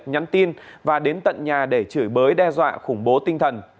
nhắn tin và đến tận nhà để chửi bới đe dọa khủng bố tinh thần